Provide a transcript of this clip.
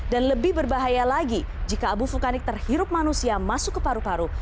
dan lebih berbahaya lagi jika abu vulkanik terhirup manusia masuk ke paru paru